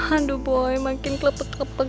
aduh boy makin kelepet kelepet